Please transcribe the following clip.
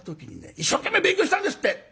一生懸命勉強したんですって。